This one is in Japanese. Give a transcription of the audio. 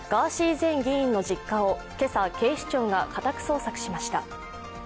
前議員の実家を今朝、警視庁が家宅捜索しました。